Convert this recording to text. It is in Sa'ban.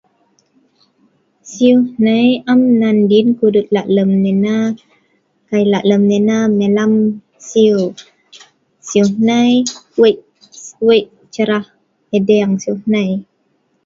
siu hnai am nan diin kudut lak lem nai ena, lak lem nai ena maelam nah siu.. siu hnai wei' wei' cerah edeieng siu hnai